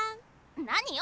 何よ！